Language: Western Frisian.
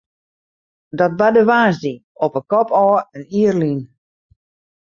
Dat barde woansdei op 'e kop ôf in jier lyn.